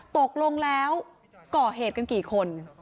ตกลงแล้วก่อเหตุกันกี่คน